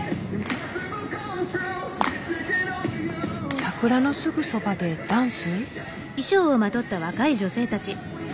桜のすぐそばでダンス？